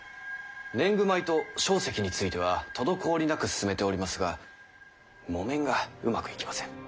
年貢米と硝石については滞りなく進めておりますが木綿がうまくいきません。